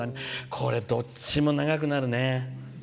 これ、どっちも長くなるね。